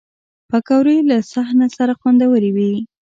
پکورې له صحنه سره خوندورې وي